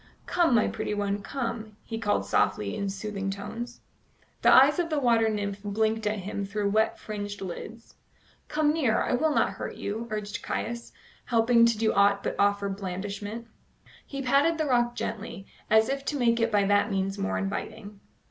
"Come, my pretty one, come," he called softly in soothing tones. The eyes of the water nymph blinked at him through wet fringed lids. "Come near; I will not hurt you," urged Caius, helpless to do aught but offer blandishment. He patted the rock gently, as if to make it by that means more inviting.